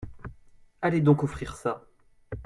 Allez donc offrir ça !…